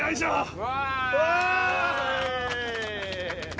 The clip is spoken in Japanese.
うわ！